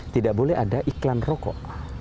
tidak boleh ada iklan rokok